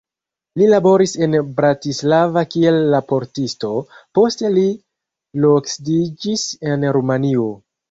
Li laboris en Bratislava kiel raportisto, poste li loksidiĝis en Rumanio.